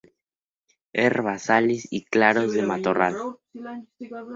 Herbazales y claros de matorral.